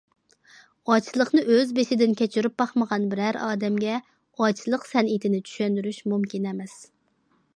ئاچلىقنى ئۆز بېشىدىن كەچۈرۈپ باقمىغان بىرەر ئادەمگە ئاچلىق سەنئىتىنى چۈشەندۈرۈش مۇمكىن ئەمەس.